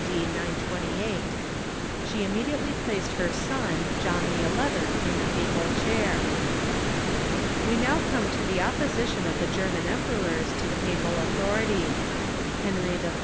d. 928). She immediately placed her son John XI. in the papal chair. We now come to the opposition of the German emperors to the papal authority, Henry I.